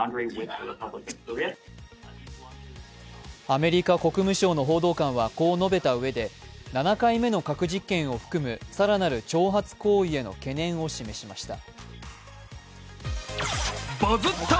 アメリカ国務省の報道官はこう述べたうえで７回目の核実験を含む更なる挑発行為への懸念を示しました。